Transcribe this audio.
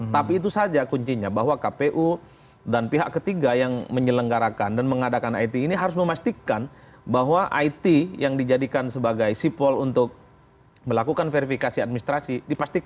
tapi itu saja kuncinya bahwa kpu dan pihak ketiga yang menyelenggarakan dan mengadakan it ini harus memastikan bahwa it yang dijadikan sebagai sipol untuk melakukan verifikasi administrasi